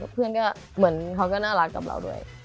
เพื่อนก็เหมือนเขาก็น่ารักกับเราด้วย